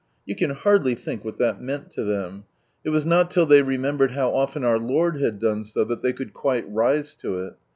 You can hardly think what that meant to them. It was not till they remembered how often our Lord had done so, that they could quite rise to it.